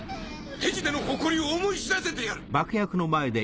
ペジテの誇りを思い知らせてやる。